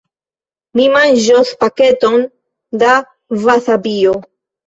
Mi manĝos paketon da vasabio.